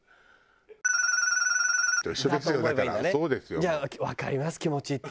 「じゃあわかります気持ち」って。